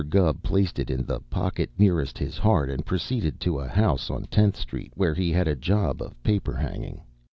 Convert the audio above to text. Gubb placed it in the pocket nearest his heart and proceeded to a house on Tenth Street where he had a job of paper hanging.